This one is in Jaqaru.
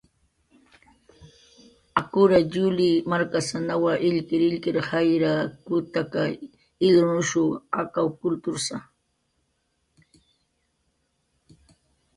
Akura, Juli may markasanawa, illkirillkirir jayra, kantu, putaka, ilrunushsa akaw kultursa.